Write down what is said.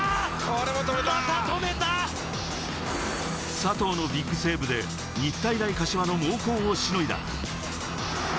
佐藤のビッグセーブで日体大柏の猛攻をしのいだ。